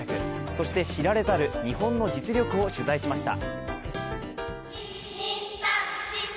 そして知られざる日本の実力を取材しました。